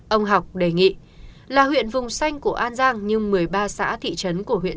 ông học đề nghị là huyện vùng xanh của an giang nhưng một mươi ba xã thị trấn của huyện